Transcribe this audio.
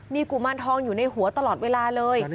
มีกุมารทองอยู่ในหัวตลอดเวลาเลย